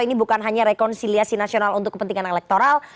ini bukan hanya rekonsiliasi nasional untuk kepentingan elektoral